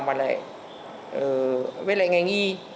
mà lại với lại ngành y